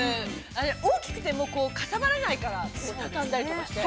大きくても、かさばらないから、畳んだりとかして。